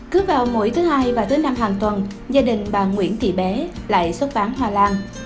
cứ vào mỗi thứ hai và thứ năm hàng tuần gia đình bà nguyễn thị bé lại xuất bán hoa lan